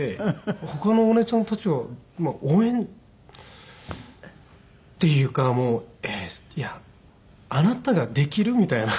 他のお姉ちゃんたちは応援っていうかもういやあなたができる？みたいな。